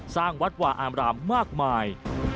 สร้างวัดวาอามรามมากมาย